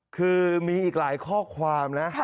คือมีอีกหลายข้อความนะ